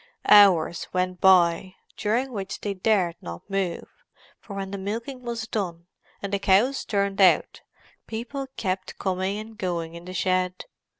Hours went by, during which they dared not move, for when the milking was done, and the cows turned out, people kept coming and going in the shed.